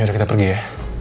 yaudah kita pergi ya